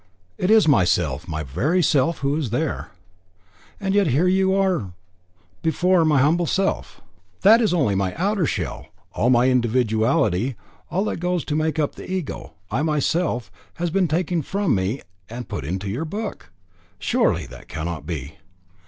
"It is myself, my very self, who is there." "And yet you are here, before my humble self." "That is only my outer shell. All my individuality, all that goes to make up the Ego I myself has been taken from me and put into your book." "Surely that cannot be."